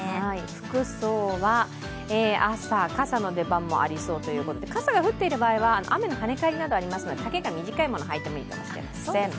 服装は朝、傘の出番もありそうということで雨が降っている場合が跳ね返りもあるので丈が短いもの、はいてもいいかもしれません。